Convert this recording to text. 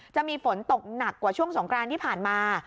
จะมีฝนตกหนักกว่าช่วงสงกรานที่ผ่านมา